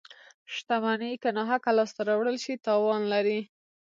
• شتمني که ناحقه لاسته راوړل شي، تاوان لري.